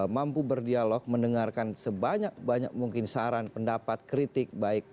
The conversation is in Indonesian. mampu berdialog mendengarkan sebanyak banyak mungkin saran pendapat kritik